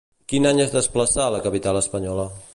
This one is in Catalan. Quin any es desplaçà a la capital espanyola?